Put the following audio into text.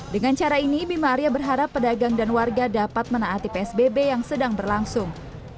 dengan cara ini bima arya berharap pedagang dan warga dapat menaati psbb yang sedang berlangsung